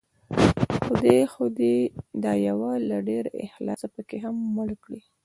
خدای خو دې دا يو له ډېر اخلاصه پکې هم مړ کړي